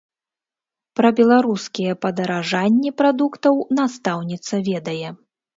Пра беларускія падаражанні прадуктаў настаўніца ведае.